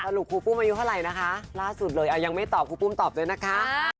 สรุปครูปุ้มมายุเท่าไหร่นะคะยังไม่ตอบครูปุ้มตอบด้วยนะคะ